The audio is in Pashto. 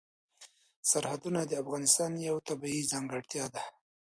سرحدونه د افغانستان یوه طبیعي ځانګړتیا ده.